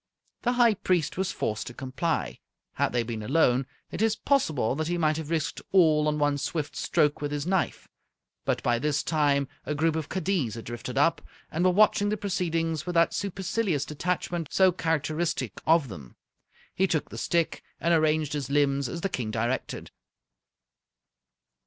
The High Priest was forced to comply. Had they been alone, it is possible that he might have risked all on one swift stroke with his knife, but by this time a group of kaddiz had drifted up, and were watching the proceedings with that supercilious detachment so characteristic of them. He took the stick and arranged his limbs as the King directed.